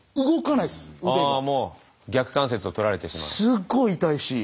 すっごい痛いし。